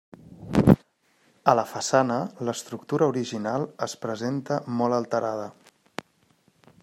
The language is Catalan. A la façana, l'estructura original es presenta molt alterada.